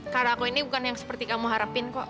karena aku ini bukan yang seperti yang kamu harapin kok